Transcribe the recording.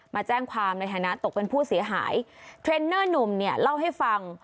มาแจ้งความในฐานะตกเป็นผู้เสียหายเทรนเนอร์หนุ่มเนี่ยเล่าให้ฟัง